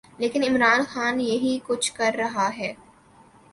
لیکن عمران خان یہی کچھ کر رہا ہے۔